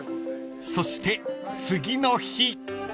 ［そして次の日］